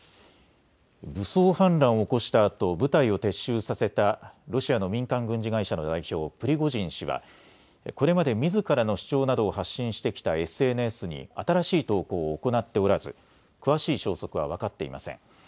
武装反乱を起こしたあと部隊を撤収させたロシアの民間軍事会社の代表、プリゴジン氏はこれまでみずからの主張などを発信してきたＳＮＳに新しい投稿を行っておらず詳しい消息は分かっていません。